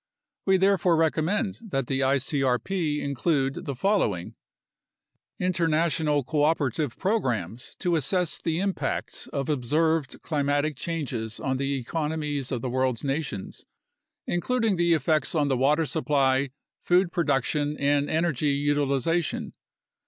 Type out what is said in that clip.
We therefore recommend that the icrp include the following: International cooperative programs to assess the impacts of observed climatic changes on the economies of the world's nations, including A NATIONAL CLIMATIC RESEARCH PROGRAM 109 the effects on the water supply, food production, and energy utilization.